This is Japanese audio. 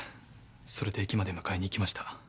それで駅まで迎えに行きました。